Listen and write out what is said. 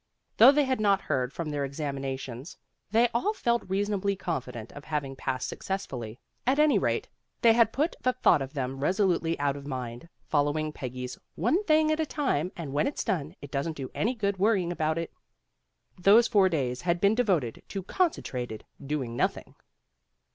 Though they had not heard from their ex aminations, they all felt reasonably confident of having passed successfully. At any rate, they had put the thought of them resolutely out of mind, following Peggy's, "one thing at a time, and when it's done, it doesn't do any good worrying about it. '' Those four days had been devoted to concentrated doing nothing.